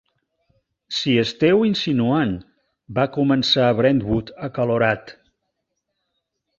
Si esteu insinuant - va començar Brentwood acalorat.